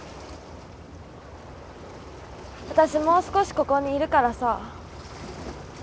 私もう少しここにいるからさ。